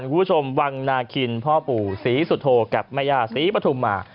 คุณผู้ชมวังนาคิณพ่อปู่ศรีสุโธกกับมายาศรีปฐุมมา